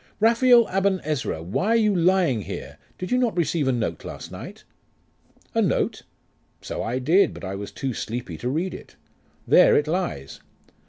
Raphael Aben Ezra, why are you lying here? Did you not receive a note last night?' 'A note? So I did, but I was too sleepy to read it. There it lies.